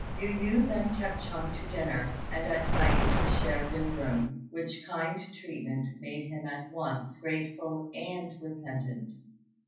Yu yü then kept Chung to dinner, and at night he shared their room, which kind treatment made him at once grateful and repentant.